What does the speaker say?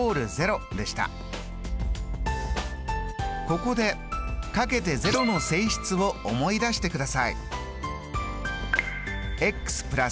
ここでかけて０の性質を思い出してください。